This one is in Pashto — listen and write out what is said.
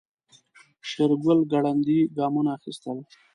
شېرګل ګړندي ګامونه اخيستل.